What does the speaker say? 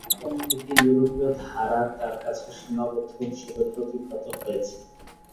অন্য দিকে ইউরোপীয় ধারা তাঁর কাছে সীমাবদ্ধ হিসেবে প্রতিভাত হয়েছে।